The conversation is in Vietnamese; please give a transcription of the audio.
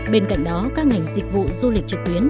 bên cạnh đó các ngành dịch vụ du lịch trực tuyến